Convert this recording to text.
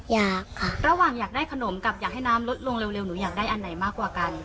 อยากค่ะระหว่างอยากได้ขนมกับอยากให้น้ำลดลงเร็วหนูอยากได้อันไหนมากกว่ากัน